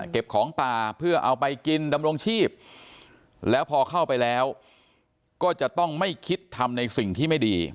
ของป่าเพื่อเอาไปกินดำรงชีพแล้วพอเข้าไปแล้วก็จะต้องไม่คิดทำในสิ่งที่ไม่ดี